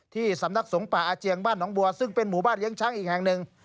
ที่สำนักสงฆ์ป่าอาเจียงบ้านหนองบัวซึ่งเป็นหมู่บ้านเลี้ยงช้างอีกแห่งหนึ่ง